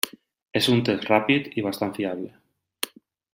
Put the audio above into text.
És un test ràpid i bastant fiable.